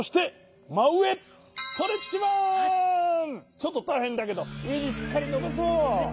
ちょっとたいへんだけどうえにしっかりのばそう！